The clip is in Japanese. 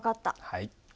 はい。